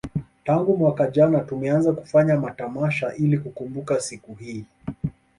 Tangu mwaka jana tumeanza kufanya matamasha ili kukumbuka siku hii